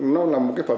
nó là một cái phần